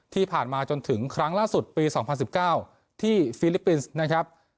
ที่ผ่านมาจนถึงครั้งล่าสุดปี๒๐๑๙ที่ฟิลิปปินส์นะครับ